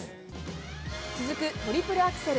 続くトリプルアクセル。